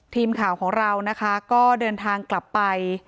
ทีมข่าวของเรานะคะก็เดินทางกลับไป